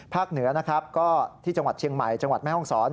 เหนือนะครับก็ที่จังหวัดเชียงใหม่จังหวัดแม่ห้องศร